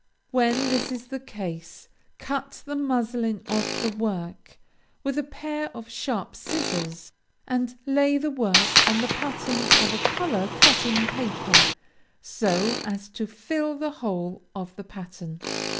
When this is the case, cut the muslin off the work with a pair of sharp scissors, and lay the work on the pattern of a collar cut in paper, so as to fill the whole of the pattern.